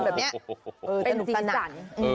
เป็นอย่างสนุกสนาน